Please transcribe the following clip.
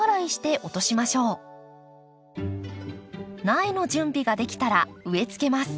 苗の準備ができたら植えつけます。